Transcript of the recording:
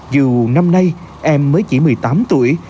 dù năm nay em mới chỉ một mươi tám tuổi